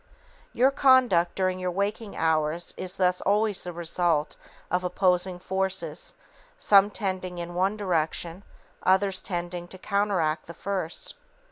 Your conduct during your waking hours is thus always the result of opposing forces, _some tending in one direction, others tending to counteract the first.